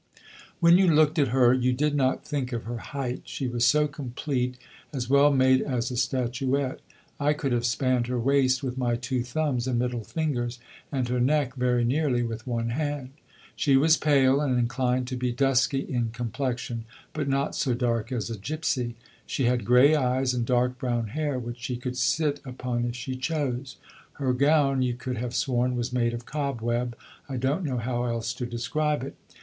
"When you looked at her you did not think of her height. She was so complete; as well made as a statuette. I could have spanned her waist with my two thumbs and middle fingers, and her neck (very nearly) with one hand. She was pale and inclined to be dusky in complexion, but not so dark as a gipsy; she had grey eyes, and dark brown hair, which she could sit upon if she chose. Her gown you could have sworn was made of cobweb; I don't know how else to describe it.